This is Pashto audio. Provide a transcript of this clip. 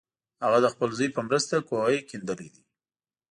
هغه د خپل زوی په مرسته کوهی کیندلی دی.